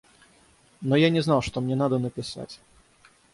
Но я не знал, что мне надо написать.